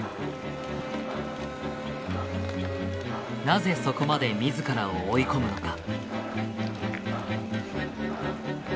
なぜそこまで自らを追い込むのか？